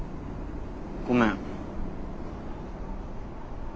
ごめん。